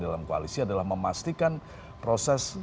dalam koalisi adalah memastikan proses